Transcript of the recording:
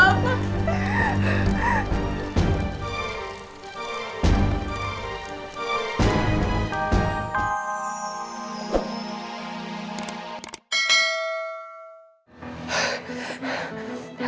aku harus cari bantuan